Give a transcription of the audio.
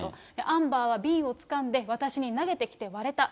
アンバーは瓶をつかんで私に投げてきて割れた。